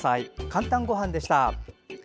「かんたんごはん」でした。